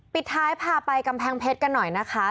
ปิดท้ายพาไปกำแพงเพชรกันหน่อยนะคะ